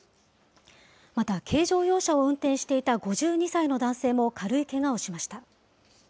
また軽乗用車を運転していた５２歳の男性も軽いけがをしました。